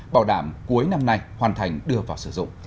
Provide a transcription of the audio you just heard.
bảo đảm cuối năm nay hoàn thành đưa vào sử dụng